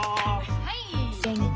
はい。